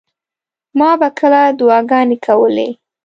ما به کله دعاګانې کولې.